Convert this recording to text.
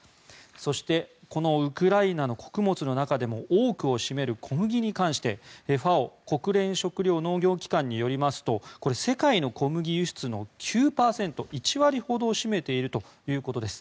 そして、このウクライナの穀物の中でも多くを占める小麦に関してＦＡＯ・国連食糧農業機関によりますとこれ、世界の小麦輸出の９％１割ほどを占めているということです。